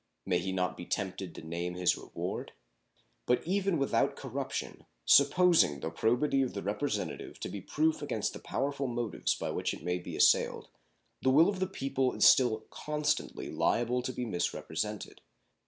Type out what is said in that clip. May he not be tempted to name his reward? But even without corruption, supposing the probity of the Representative to be proof against the powerful motives by which it may be assailed, the will of the people is still constantly liable to be misrepresented.